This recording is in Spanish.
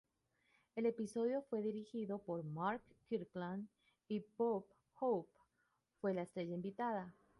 El episodio fue dirigido por Mark Kirkland y Bob Hope, fue la estrella invitada.